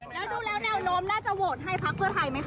แล้วดูแล้วแนวโน้มน่าจะโหวตให้พักเพื่อไทยไหมคะ